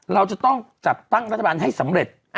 เราจะต้องจัดตั้งรัฐบาลให้สำเร็จ